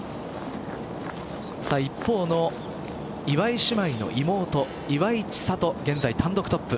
一方の岩井姉妹の妹岩井千怜、現在単独トップ。